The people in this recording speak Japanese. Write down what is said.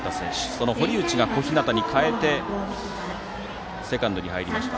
その堀内が小日向に代わってセカンドに入りました。